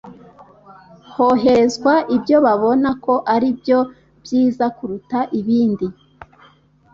Hoherezwa ibyo babona ko ari byo byiza kuruta ibindi